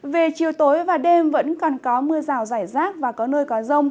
về chiều tối và đêm vẫn còn có mưa rào rải rác và có nơi có rông